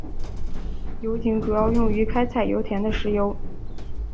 油井主要用于开采油田的石油。